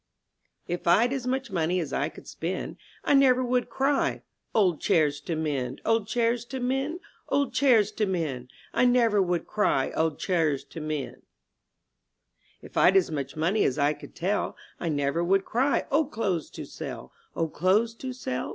TF Vd as much money as I could spend, ■*• I never would cry^, 01d chairs to mend, Old chairs to mend, old chairs to mend!'* I never would cry, *'01d chairs to mend !" If Vd as much money as I could tell, I never would cry, *'01d clothes to sell.